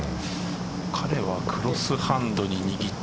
彼はクロスハンドに握った。